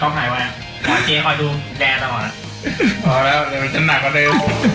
พอแล้วไหนมันจะหนักกว่าเท้า